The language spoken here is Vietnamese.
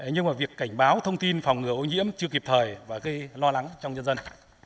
nhưng mà việc cảnh báo thông tin phòng ngừa ô nhiễm chưa kịp thời và gây lo lắng trong nhân dân